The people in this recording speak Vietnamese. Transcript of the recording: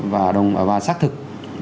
và xác thực